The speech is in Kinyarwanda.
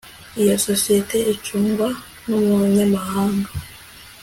Iyo sosiyete icungwa numunyamahanga